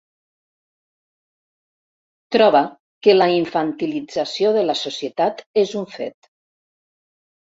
Troba que la infantilització de la societat és un fet.